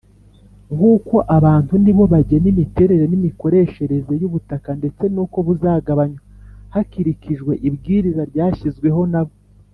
Nk’uko abantu nibo bagena imiterere n’imikoreshereze y’ubutaka ndetse nuko buzagabanwa hakirikijwe ibwiriza ryashyizweho nabo.